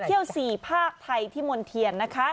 เที่ยวศรีภาคไทยที่หม่อนเถียน